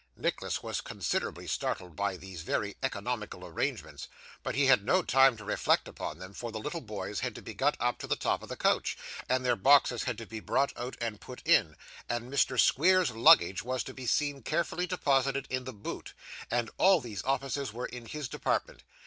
Nicholas was considerably startled by these very economical arrangements; but he had no time to reflect upon them, for the little boys had to be got up to the top of the coach, and their boxes had to be brought out and put in, and Mr. Squeers's luggage was to be seen carefully deposited in the boot, and all these offices were in his department.